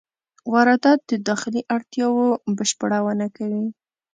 واردات د داخلي اړتیاوو بشپړونه کوي.